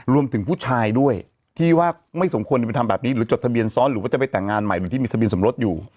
รวมถึงผู้ชายด้วยที่ว่าไม่สมควรจะไปทำแบบนี้หรือจดทะเบียนซ้อนหรือว่าจะไปแต่งงานใหม่หรือที่มีทะเบียนสมรสอยู่